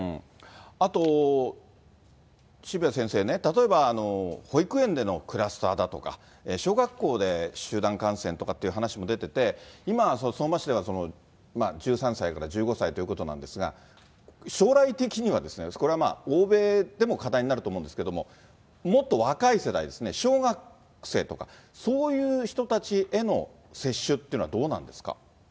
あと、渋谷先生ね、例えば保育園でのクラスターだとか、小学校で集団感染とかっていう話も出てて、今、相馬市では１３歳から１５歳ということなんですが、将来的には、これはまあ、欧米でも課題になると思うんですけれども、もっと若い世代ですね、小学生とか、そういう人たちへの接種っていうのはどうなんですか。